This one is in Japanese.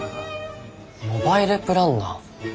モバイルプランナー？